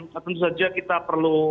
tentu saja kita perlu